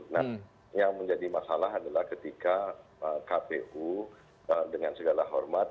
nah yang menjadi masalah adalah ketika kpu dengan segala hormat